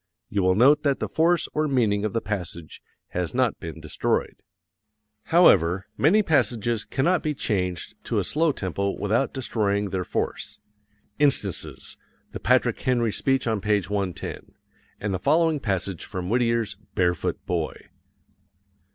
You will note that the force or meaning of the passage has not been destroyed. However, many passages cannot be changed to a slow tempo without destroying their force. Instances: The Patrick Henry speech on page 110, and the following passage from Whittier's "Barefoot Boy."